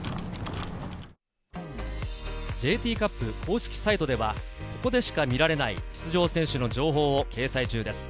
ＪＴカップ公式サイトでは、ここでしか見られない、出場選手の情報を掲載中です。